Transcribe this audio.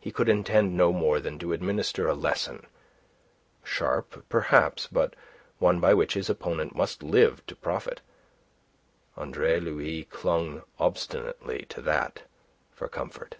He could intend no more than to administer a lesson; sharp, perhaps, but one by which his opponent must live to profit. Andre Louis clung obstinately to that for comfort.